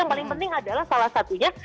yang paling penting adalah salah satunya